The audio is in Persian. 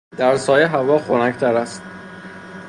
در سایه هوا خنکتر است.